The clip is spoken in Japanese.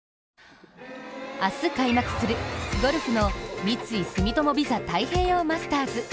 ＪＴ明日開幕するゴルフの三井住友ＶＩＳＡ太平洋マスターズ。